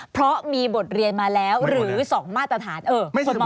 เพราะมีบทเรียนมาแล้วหรือ๒มาตรฐาน